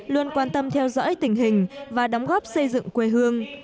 luôn quan tâm theo dõi tình hình và đóng góp xây dựng quê hương